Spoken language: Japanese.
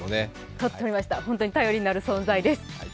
本当に便りになる存在です。